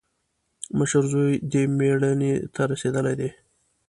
مشر زوی دې مېړانې ته رسېدلی دی.